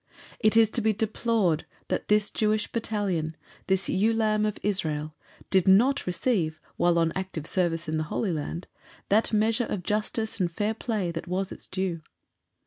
It is to be deplored that this Jewish Battalion this ewe lamb of Israel did not receive, while on Active Service in the Holy Land, that measure of justice and fair play that was its due.